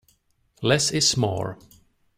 Less is more.